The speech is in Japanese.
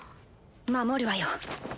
守るわよ